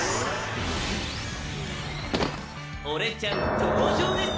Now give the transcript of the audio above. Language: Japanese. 俺ちゃん登場です！